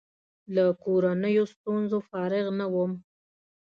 له کورنیو ستونزو فارغ نه وم.